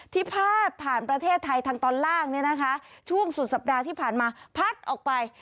พาดผ่านประเทศไทยทางตอนล่างเนี่ยนะคะช่วงสุดสัปดาห์ที่ผ่านมาพัดออกไป